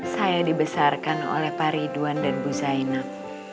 saya dibesarkan oleh pak ridwan dan bu zainak